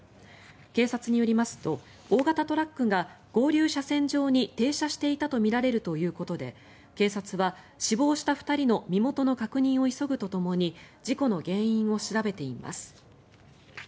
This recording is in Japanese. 警察によりますと大型トラックが合流車線上に停車していたとみられるということで警察は、死亡した２人の身元の確認を急ぐとともに事故の原因を調べています。